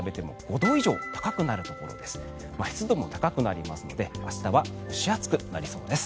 湿度も高くなりますので明日は蒸し暑くなりそうです。